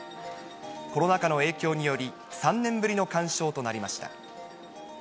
コロナ禍の影響により、３年ぶりの鑑賞となりました。